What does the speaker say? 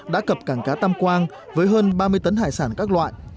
đã cập cảng cá tam quang với hơn ba mươi tấn hải sản các loại